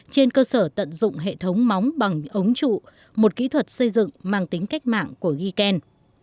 trên cơ sở tận dụng hệ thống móng bằng ống trụ một kỹ thuật xây dựng mang tính cách mạng của giken